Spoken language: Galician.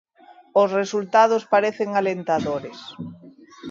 Os resultados parecen alentadores.